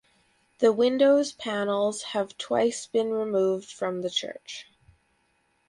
The windows panels have twice been removed from the church.